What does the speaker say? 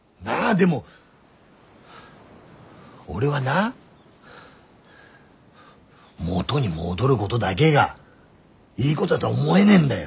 でも俺はな元に戻るごどだげがいいごどだどは思えねえんだよ。